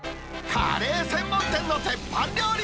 カレー専門店の鉄板料理